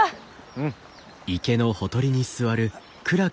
うん。